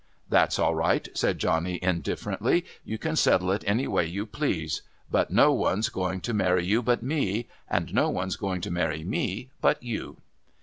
"That's all right," said Johnny indifferently. "You can settle it any way you please but no one's going to marry you but me, and no one's going to marry me but you."